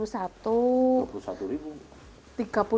murah ya bu ya